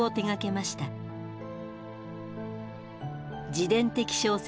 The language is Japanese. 自伝的小説